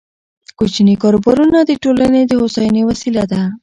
کوچني کاروبارونه د ټولنې د هوساینې وسیله ده.